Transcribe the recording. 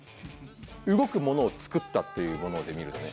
動くものをつくったっていうもので見るとね